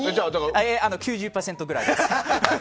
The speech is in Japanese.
９０％ぐらいです。